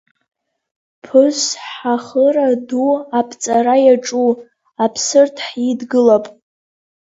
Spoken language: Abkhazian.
Ԥысҳахыра Ду аԥҵара иаҿу Аԥсырҭ ҳидгылап.